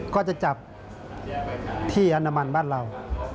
ก็จะจับที่อนามันบ้านเรา